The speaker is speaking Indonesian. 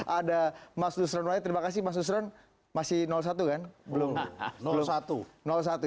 ada mas dusron terima kasih mas dusron masih satu kan belum